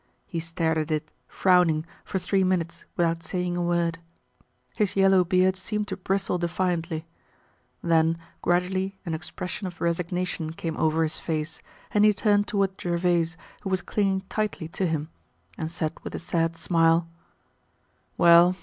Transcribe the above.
He stared at it, frowning, for three minutes without saying a word. His yellow beard seemed to bristle defiantly. Then, gradually an expression of resignation came over his face and he turned toward Gervaise who was clinging tightly to him and said with a sad smile: "Well!